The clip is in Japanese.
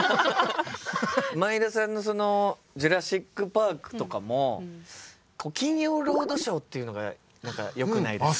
毎田さんの「ジュラシック・パーク」とかも「金曜ロードショー」っていうのがよくないですか。